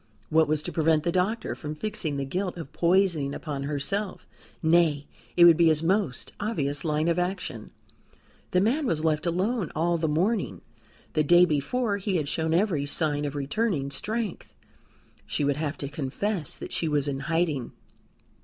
What was to prevent the doctor from fixing the guilt of poisoning upon herself? Nay; it would be his most obvious line of action. The man was left alone all the morning; the day before he had shown every sign of returning strength; she would have to confess that she was in hiding.